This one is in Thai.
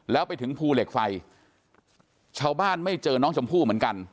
แล้วไปถึงภูเหล็กไฟชาวบ้านไม่เจอน้องชมพู่เหมือนกัน